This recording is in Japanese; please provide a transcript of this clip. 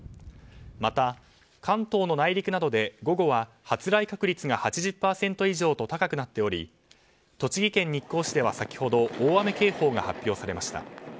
また、関東の内陸などで午後は発雷確率が８０％以上と高くなっており栃木県日光市では、先ほど大雨警報が発表されました。